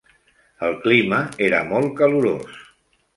El clima era molt calorós.